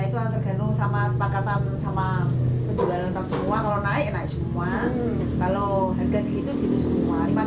sama sepakatan sama penjualan untuk semua kalau naik enak semua